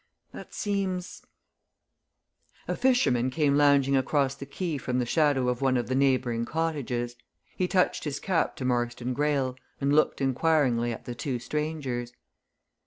That seems " A fisherman came lounging across the quay from the shadow of one of the neighbouring cottages. He touched his cap to Marston Greyle, and looked inquiringly at the two strangers.